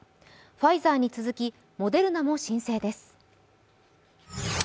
ファイザーに続きモデルナも申請です。